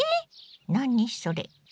何それ？